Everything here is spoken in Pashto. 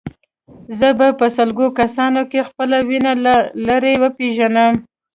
زه په سلګونه کسانو کې خپله وینه له لرې پېژنم.